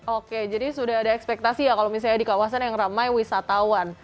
oke jadi sudah ada ekspektasi ya kalau misalnya di kawasan yang ramai wisatawan